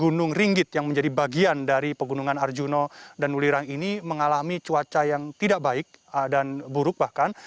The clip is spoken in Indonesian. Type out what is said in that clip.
gunung ringgit yang menjadi bagian dari pegunungan arjuna dan ulirang ini mengalami cuaca yang tidak baik dan buruk bahkan